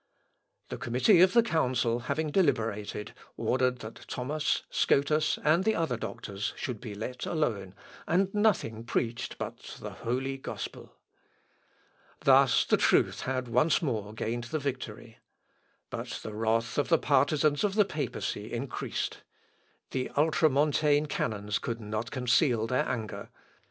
The committee of the Council having deliberated, ordered that Thomas, Scotus, and the other doctors, should be let alone, and nothing preached but the Holy Gospel. Thus the truth had once more gained the victory. But the wrath of the partisans of the papacy increased. The Ultra Montane canons could not conceal their anger.